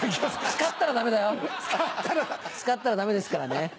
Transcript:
使ったらダメですからね。